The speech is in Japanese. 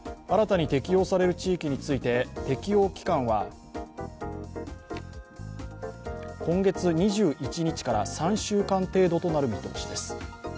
新たに適用される地域について適用期間は今月２１日から３週間程度となる見通しです。